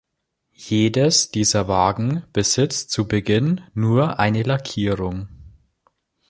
Jedes dieser Wagen besitzt zu Beginn nur eine Lackierung.